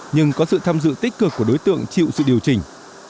nhưng có sự tham dự tích cực của đối tượng chịu sự điều chỉnh